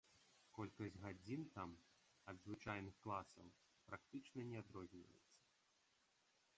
Колькасць гадзін там ад звычайных класаў практычна не адрозніваецца.